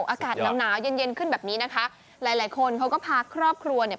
อากาศหนาวเย็นเย็นขึ้นแบบนี้นะคะหลายหลายคนเขาก็พาครอบครัวเนี่ย